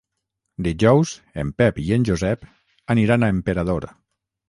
Dijous en Pep i en Josep aniran a Emperador.